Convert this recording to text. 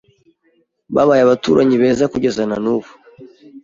Babaye abaturanyi beza kugeza na nubu.